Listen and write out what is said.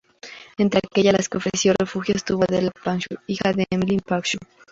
Entre aquellas a las que ofreció refugio estuvo Adela Pankhurst, hija de Emmeline Pankhurst.